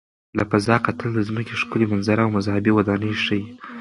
له فضا کتل د ځمکې ښکلي منظره او مذهبي ودانۍ ښيي.